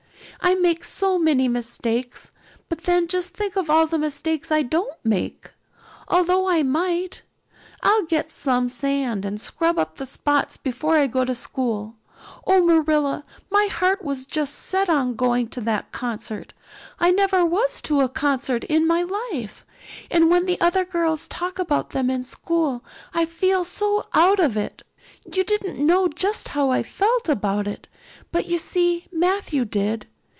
"I make so many mistakes. But then just think of all the mistakes I don't make, although I might. I'll get some sand and scrub up the spots before I go to school. Oh, Marilla, my heart was just set on going to that concert. I never was to a concert in my life, and when the other girls talk about them in school I feel so out of it. You didn't know just how I felt about it, but you see Matthew did.